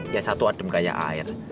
ya satu adem kayak air